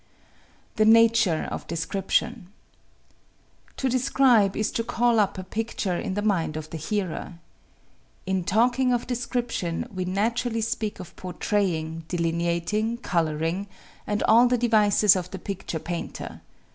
The Nature of Description To describe is to call up a picture in the mind of the hearer. "In talking of description we naturally speak of portraying, delineating, coloring, and all the devices of the picture painter.